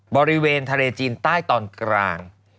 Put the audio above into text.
บริเวณทะเลจีนใต้ตอนกลาง